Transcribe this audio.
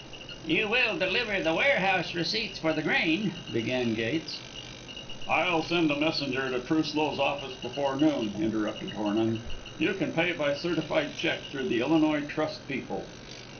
"You will deliver the warehouse receipts for the grain," began Gates. "I'll send a messenger to Truslow's office before noon," interrupted Hornung. "You can pay by certified check through the Illinois Trust people."